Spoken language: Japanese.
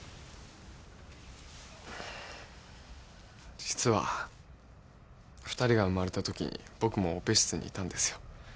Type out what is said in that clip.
実は二人が生まれたとき僕もオペ室にいたんですよ